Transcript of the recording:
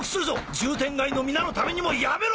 渋天街の皆のためにもやめろ！